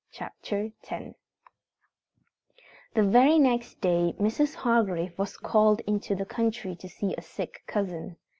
CHAPTER X The very next day Mrs. Hargrave was called into the country to see a sick cousin.